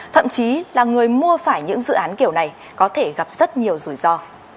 thậm chí là người mua phải những dự án kiểu này có thể gặp rất nhiều rủi ro